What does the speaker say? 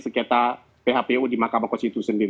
sekretar phpu di mahkamah konstitusi